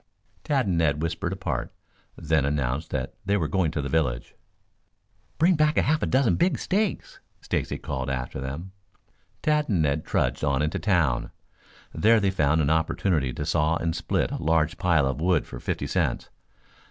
Tad and Ned whispered apart, then announced that they were going to the village. "Bring back half a dozen big steaks," Stacy called after them. Tad and Ned trudged on into town. There they found an opportunity to saw and split a large pile of wood for fifty cents.